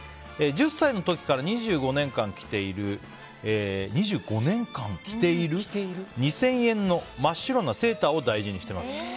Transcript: １０歳の時から２５年間着ている２０００円の真っ白なセーターを大事にしています。